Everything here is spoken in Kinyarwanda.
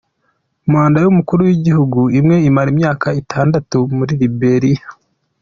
Manda y’umukuru w’igihugu imwe imara imyaka itandatu muri Liberia.